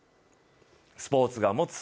スポーツが持つ